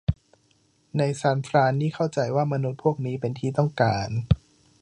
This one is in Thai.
ในซานฟรานนี่เข้าใจว่ามนุษย์พวกนี้เป็นที่ต้องการ